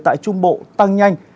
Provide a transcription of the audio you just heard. tại trung bộ tăng nhanh